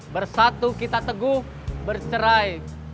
bersatu kita teguh bercerai